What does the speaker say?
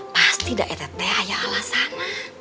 pasti ndak rtt ayah alasan